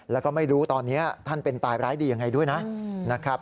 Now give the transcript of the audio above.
แล้วก็ไม่รู้ตอนนี้ท่านเป็นตายร้ายดียังไงด้วยนะครับ